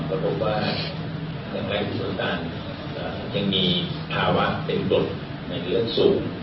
ก็บอกว่าการไฟฟ้างนั้นจะมีภาวะจะเป็นบ่นในเลือดสูง